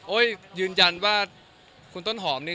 ยืนยันว่าคุณต้นหอมนี่